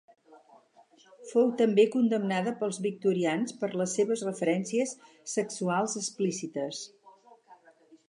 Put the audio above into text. Fou també condemnada pels victorians per les seves referències sexuals explícites.